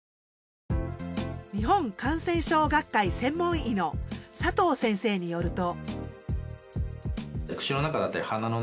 日本感染症学会専門医の佐藤先生によると。